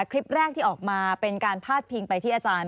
คลิปแรกที่ออกมาเป็นการพาดพิงไปที่อาจารย์